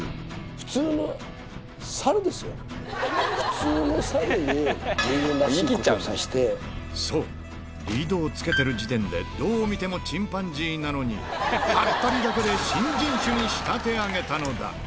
普通の猿に人間らしいことをさせそう、リードをつけてる時点で、どう見てもチンパンジーなのに、ハッタリだけで新人種に仕立て上げたのだ。